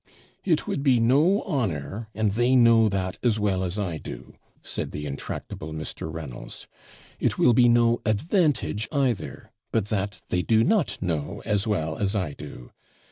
'It would be no honour, and they know that as well as I do,' said the intractable Mr. Reynolds. 'It will be no advantage, either; but that they do not know as well as I do.